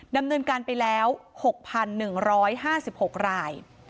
ดำเนินการไปแล้ว๖๑๕๖ราย